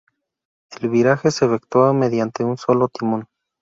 El viraje se efectuaba mediante un solo timón.